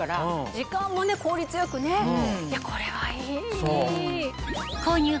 時間も効率よくねいやこれはいい。